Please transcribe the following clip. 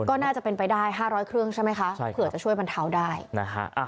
ก็น่าจะเป็นไปได้๕๐๐เครื่องใช่ไหมคะใช่เผื่อจะช่วยบรรเทาได้นะฮะ